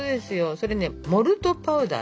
それねモルトパウダー。